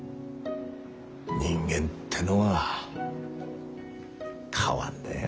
人間ってのは変わんだよ。